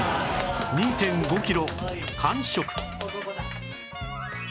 ２．５ キロ完食